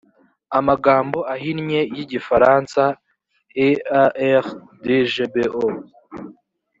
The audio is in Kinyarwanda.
magambo ahinnye y igifaransa ear d gbo